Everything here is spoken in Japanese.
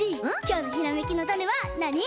きょうのひらめきのタネはなに？